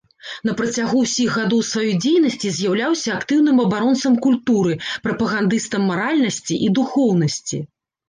На працягу ўсіх гадоў сваёй дзейнасці з'яўляўся актыўным абаронцам культуры, прапагандыстам маральнасці і духоўнасці.